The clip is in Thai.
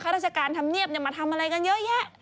ข้าราชการทำเงียบอย่ามาทำอะไรกันเยอะแยะ